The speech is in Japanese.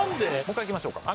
もう１回いきましょうか。